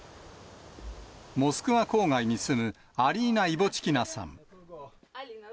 モスクワ郊外に住むアリーナ・イボチキナさん。